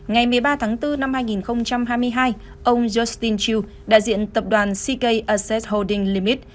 ngày một mươi ba tháng bốn năm hai nghìn hai mươi hai ông justin chu đại diện tập đoàn ck assets holding limit